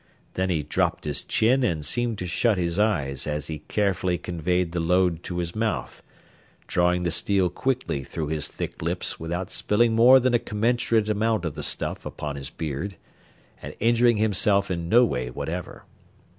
Then he dropped his chin and seemed to shut his eyes as he carefully conveyed the load to his mouth, drawing the steel quickly through his thick lips without spilling more than a commensurate amount of the stuff upon his beard, and injuring himself in no way whatever.